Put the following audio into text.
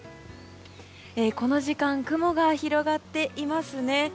この時間雲が広がっていますね。